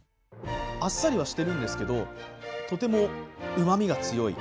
あっさりはしてるんですけどとてもうまみが強い。